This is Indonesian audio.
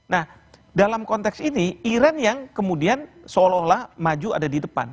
nah dalam konteks ini iran yang kemudian seolah olah maju ada di depan